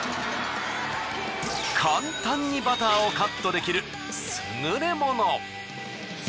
簡単にバターをカットできる優れもの。